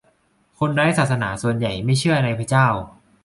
คนไร้ศาสนาส่วนใหญ่ไม่เชื่อในพระเจ้า